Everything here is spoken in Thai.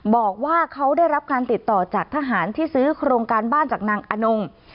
บอกว่าเขาได้รับการติดต่อจากทหารที่ซื้อโครงการบ้านจากนางอนง